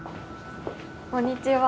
こんにちは。